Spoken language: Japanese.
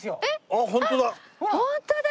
あっホントだ！